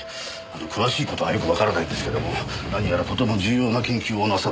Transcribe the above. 詳しい事はよくわからないんですけども何やらとても重要な研究をなさっていたようで。